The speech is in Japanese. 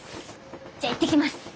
じゃあいってきます。